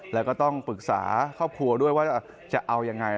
แล้วก็ต้องปรึกษาครอบครัวด้วยว่าจะเอายังไง